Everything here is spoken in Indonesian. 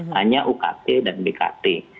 hanya ukt dan bkt